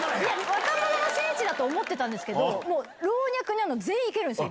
若者の聖地だと思ってたんですけど老若男女全員行けるんすよ。